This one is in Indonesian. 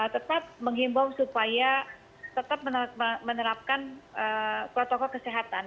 tetap menghimbau supaya tetap menerapkan protokol kesehatan